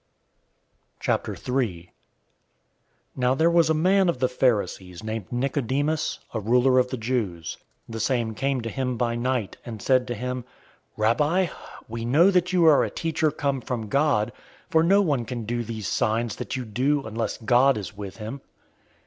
003:001 Now there was a man of the Pharisees named Nicodemus, a ruler of the Jews. 003:002 The same came to him by night, and said to him, "Rabbi, we know that you are a teacher come from God, for no one can do these signs that you do, unless God is with him."